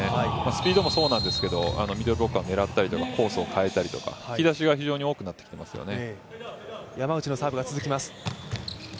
スピードもそうなんですけど、ミドルブロッカーを狙ったりとかコースを変えたりとか引き出しが非常に多くなってきてますよね。